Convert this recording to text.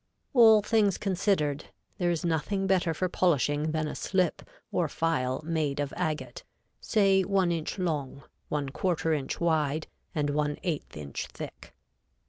All things considered, there is nothing better for polishing than a slip or file made of agate, say one inch long, one quarter inch wide and one eighth inch thick.